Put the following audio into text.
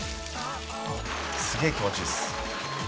すげえ気持ちいいっす。